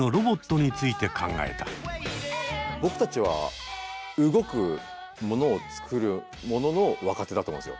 僕たちは動くものをつくるものの若手だと思うんですよ。